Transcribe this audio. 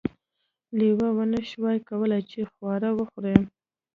لیوه ونشوای کولی چې خواړه وخوري.